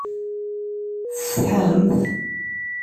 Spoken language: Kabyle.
Tsetḥamt?